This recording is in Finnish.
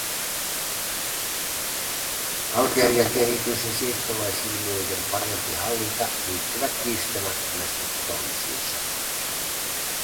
Algerian kehitys ja siirtolaisilmiöiden parempi hallinta liittyvät kiistämättömästi toisiinsa.